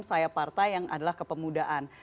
saya partai yang adalah kepemudaan